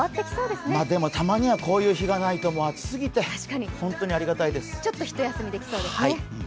でも、たまにはこういう日がないと暑すぎて、ちょっとひと休みできそうですね。